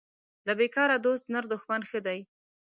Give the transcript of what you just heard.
له بیکاره دوست نر دښمن ښه دی